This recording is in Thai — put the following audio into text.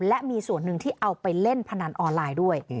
และมีส่วนหนึ่งที่เอาไปเล่นพนันออนไลน์ด้วย